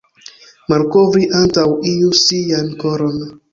Malkovri antaŭ iu sian koron.